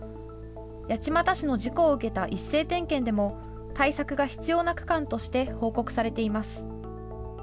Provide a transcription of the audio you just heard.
八街市の事故を受けた一斉点検でも対策が必要な区間として報告されています。